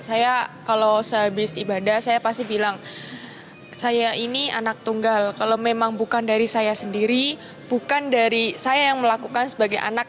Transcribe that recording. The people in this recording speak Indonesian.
saya kalau sehabis ibadah saya pasti bilang saya ini anak tunggal kalau memang bukan dari saya sendiri bukan dari saya yang melakukan sebagai anak